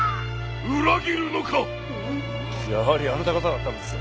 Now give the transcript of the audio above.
裏切るのかやはりあなた方だったのですね